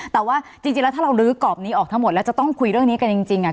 แต่ว่าจริงแล้วถ้าเราลื้อกรอบนี้ออกทั้งหมดแล้วจะต้องคุยเรื่องนี้กันจริงอ่ะ